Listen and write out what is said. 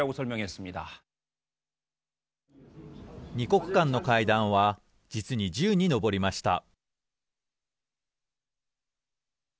２国間の会談は実に、１０に上りました。